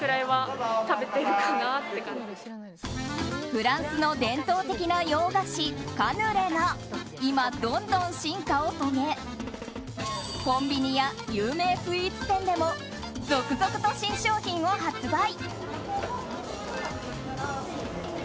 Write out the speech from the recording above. フランスの伝統的な洋菓子カヌレが今、どんどん進化を遂げコンビニや有名スイーツ店でも続々と新商品を発売。